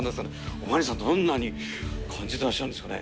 お巡りさん、どんなふうに感じてらっしゃるんですかね。